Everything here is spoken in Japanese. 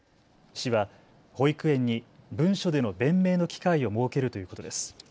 市は保育園に文書での弁明の機会を設けるということです。